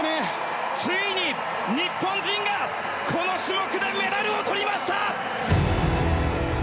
ついに日本人がこの種目でメダルを取りました！